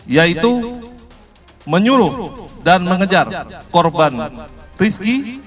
yaitu menyuruh dan mengejar korban rizky